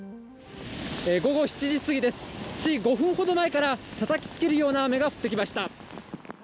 午後７時すぎです、つい５分ほど前からたたきつけるような雨が降ってきました。